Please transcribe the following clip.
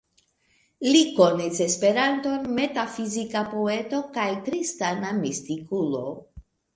Li konis Esperanton, metafizika poeto kaj kristana mistikulo.